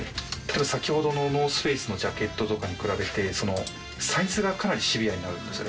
先ほどのノース・フェイスのジャケットとかに比べて、サイズがかなりシビアになるんですよ。